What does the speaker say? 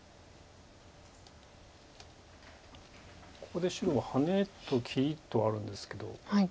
ここで白はハネと切りとあるんですけど。